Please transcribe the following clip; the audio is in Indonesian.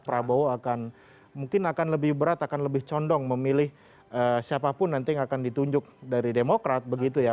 prabowo akan mungkin akan lebih berat akan lebih condong memilih siapapun nanti yang akan ditunjuk dari demokrat begitu ya